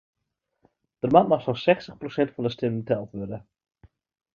Der moat noch sa'n sechstich prosint fan de stimmen teld wurde.